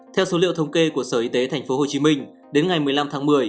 theo số liệu thống kê của sở y tế tp hcm đến ngày một mươi năm tháng một mươi